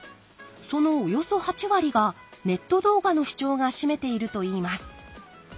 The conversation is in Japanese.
そのおよそ８割がネット動画の視聴が占めているといいます。